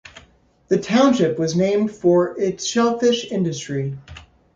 The township was named for its shellfish industry.